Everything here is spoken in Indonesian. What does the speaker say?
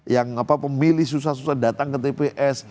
yang pemilih susah susah datang ke tps